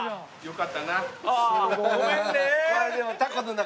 ごめんね。